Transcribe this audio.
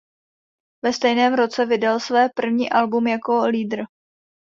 Ve stejném roce vydal své první album jako leader.